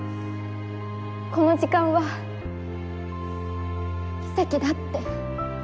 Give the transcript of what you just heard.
この時間は奇跡だって。